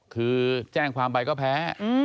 คือแจ้งความไปก็แพ้